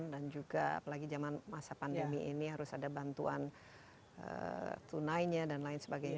dan juga apalagi zaman masa pandemi ini harus ada bantuan tunainya dan lain sebagainya